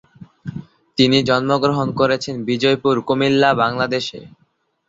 তিনি জন্ম গ্রহণ করেছেন বিজয়পুর, কুমিল্লা, বাংলাদেশে।